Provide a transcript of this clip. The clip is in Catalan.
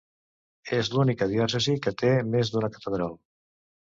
És l'única diòcesi que té més d'una catedral.